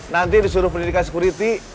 nanti disuruh pendidikan sekuriti